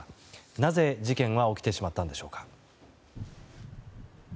なぜ、事件は起きてしまったんでしょうか。